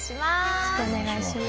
よろしくお願いします。